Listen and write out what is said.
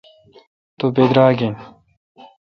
تو بدراگ این۔